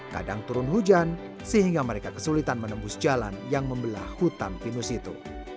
kadang turun hujan sehingga mereka kesulitan menembus jalan yang membelah hutan pinus itu